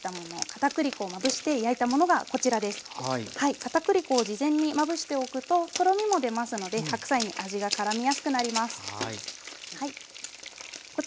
片栗粉を事前にまぶしておくととろみも出ますので白菜に味がからみやすくなります。